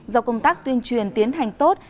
do công tác tuyên truyền tiến hành tốt